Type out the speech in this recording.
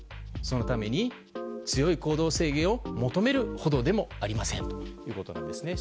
そのために強い行動制限を求めるほどでもありませんということです。